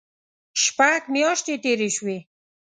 شپږ میاشتې تېرې شوې.